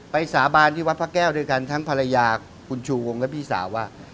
สาบานที่วัดพระแก้วด้วยกันทั้งภรรยาคุณชูวงและพี่สาวว่า